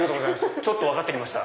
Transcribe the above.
ちょっと分かってきました。